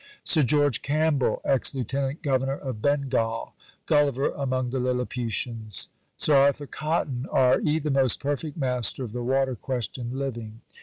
SIR GEORGE CAMPBELL: Ex Lieutenant Governor of Bengal. Gulliver among the Lilliputians. SIR ARTHUR COTTON, R.E.: The most perfect master of the water question living.